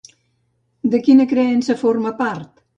De quina creença forma part?